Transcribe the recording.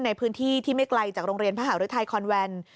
ในพื้นที่ที่ไม่ไกลจากโรงเรียนพระหารุทัยคอนแวน